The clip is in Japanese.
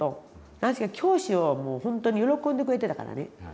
なんせ教師をもう本当に喜んでくれてたからね。